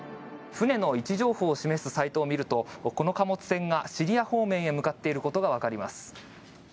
船の位置情報を示すサイトを見るとこの貨物船がシリア方面へ向かっていることがわかります。